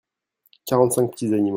quarante cinq petits animaux.